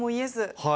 はい。